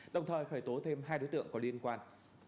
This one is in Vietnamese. đồng thời khởi tố thêm hai đối tượng có liên quan